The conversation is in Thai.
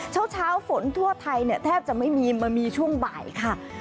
เช้าฝนทั่วไทยเนี่ยแทบจะไม่มีมามีช่วงบ่ายค่ะ